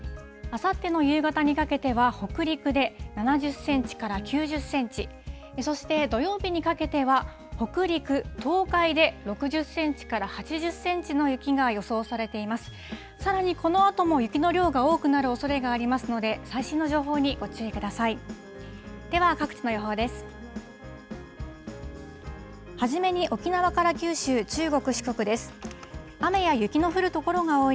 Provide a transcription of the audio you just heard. さらにこのあとも雪の量が多くなるおそれがありますので、最新の情報にご注意ください。